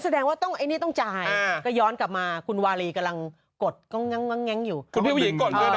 แสดงว่าไอ้นี้ต้องจ่ายก็ย้อนกลับมาคุณวาแรีกำลังกดคงแง่งอยู่คุณผู้ชายกดเงินออกมา